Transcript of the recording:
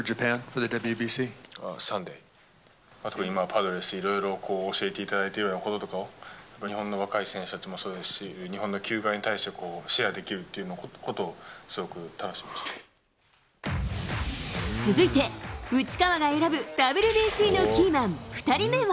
パドレスでいろいろ教えていただいているようなこととか、日本の若い選手たちもそうですし、日本の球界に対してシェアできるっていうことを、すごく楽しみに続いて、内川が選ぶＷＢＣのキーマン２人目は。